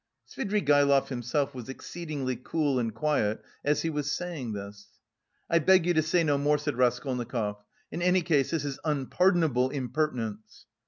Svidrigaïlov himself was exceedingly cool and quiet as he was saying this. "I beg you to say no more," said Raskolnikov. "In any case this is unpardonable impertinence."